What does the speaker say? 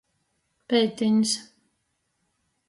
Peitiņs.